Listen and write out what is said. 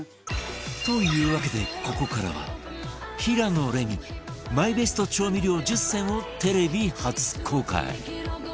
というわけでここからは平野レミマイベスト調味料１０選をテレビ初公開